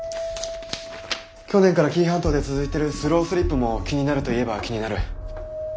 去年から紀伊半島で続いてるスロースリップも気になると言えば気になる。